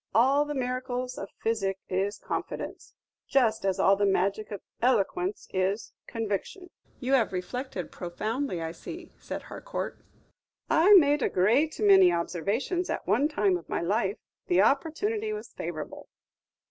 All the miracles of physic is confidence, just as all the magic of eloquence is conviction." "You have reflected profoundly, I see," said Harcourt. "I made a great many observations at one time of my life, the opportunity was favorable."